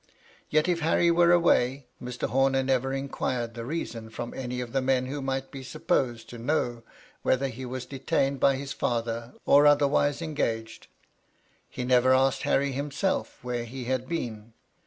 Yet, if Harry were away, Mr. Homer never inquired the reason from any of the men who might be supposed to know whether he was detained by his father^ or otherwise engaged ; he never asked Harry himself where he had been.